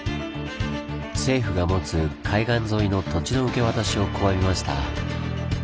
政府が持つ海岸沿いの土地の受け渡しを拒みました。